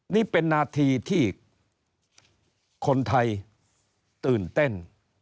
นี่เป็นนาทีที่คนไทยตื่นเต้น